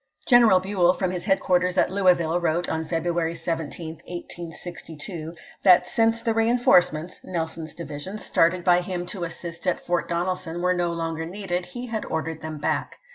General Buell, from his headquarters at Louis ville, wrote (February 17, 1862) that since the reen forcements (Nelson's division) started by him to assist at Fort Donelson were no longer needed, he had ordered them back.